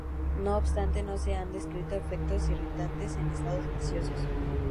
No obstante, no se han descrito efectos irritantes en estado gaseoso.